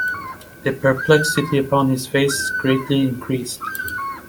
The perplexity upon his face greatly increased.